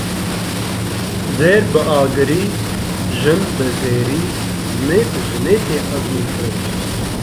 Zêr bi agirî, jin bi zêrî, mêr bi jinê tê ezmûnkirin.